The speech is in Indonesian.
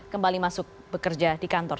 kembali masuk bekerja di kantor